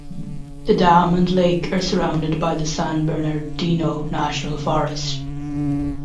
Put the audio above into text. The dam and lake are surrounded by the San Bernardino National Forest.